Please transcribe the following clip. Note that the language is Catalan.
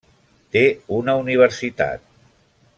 Té una universitat.